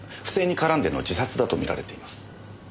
不正に絡んでの自殺だと見られています。